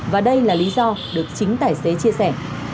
và đây là lý do được chính tài xế chia sẻ